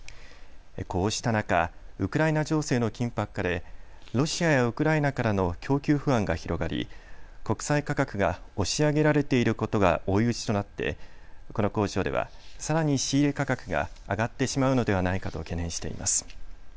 こうした中、ウクライナ情勢の緊迫化でロシアやウクライナからの供給不安が広がり国際価格が押し上げられていることが追い打ちとなってこの工場ではさらに仕入れ価格が上がってしまうのではないかと懸念しています。